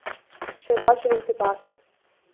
شہباز شریف کے پاس ہے۔